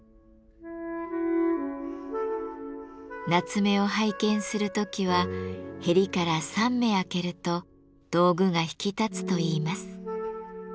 なつめを拝見する時はへりから３目空けると道具が引き立つといいます。